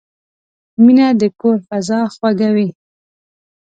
مینه د کور فضا خوږوي.